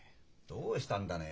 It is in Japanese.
どうしたんだね？